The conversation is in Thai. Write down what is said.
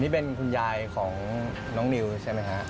นี่เป็นคุณยายของน้องนิวใช่ไหมฮะ